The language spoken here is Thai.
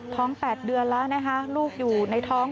๘เดือนแล้วนะคะลูกอยู่ในท้อง